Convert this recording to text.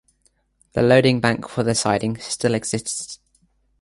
The loading bank for the siding still exists.